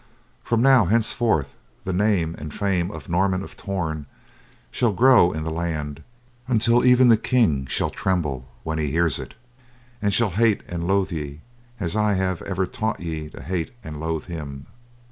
"From now, henceforth, the name and fame of Norman of Torn shall grow in the land, until even the King shall tremble when he hears it, and shall hate and loathe ye as I have even taught ye to hate and loathe him.